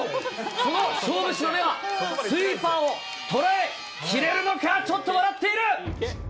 その勝負師の目は、スイーパーを捉えきれるのか、ちょっと笑っている。